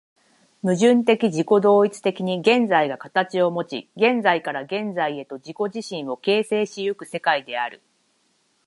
矛盾的自己同一的に現在が形をもち、現在から現在へと自己自身を形成し行く世界である。